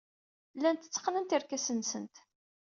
Llant tteqqnent irkasen-nsent.